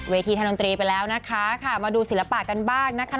เวทย์ทางไปแล้วนะคะมาดูศิลปะกันบ้างนะคะ